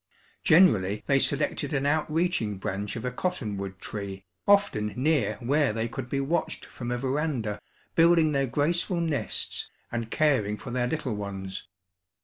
Generally they selected an outreaching branch of a cottonwood tree, often near where they could be watched from a veranda, building their graceful nests and caring for their little ones.